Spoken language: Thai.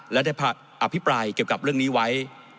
และได้อภิปรายเกี่ยวกับเรื่องนี้ไว้